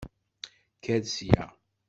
Kker sya!